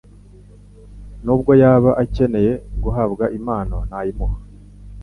Nubwo yaba akeneye guhabwa impano nayimuha